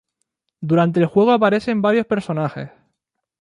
Durante el juego aparecen varios personajes.